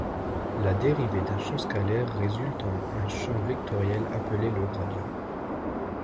La dérivée d'un champ scalaire résulte en un champ vectoriel appelé le gradient.